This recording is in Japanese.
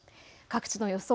各地の予想